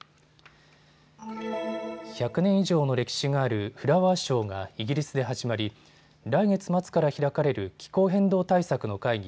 １００年以上の歴史があるフラワーショーがイギリスで始まり来月末から開かれる気候変動対策の会議